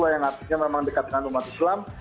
yang artinya memang dekat dengan umat islam